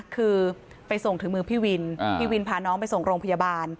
คือไปส่งถึงมือพี่วินพี่วินพาน้องไปส่งโรงพยาบาล